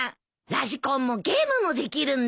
ラジコンもゲームもできるんだ。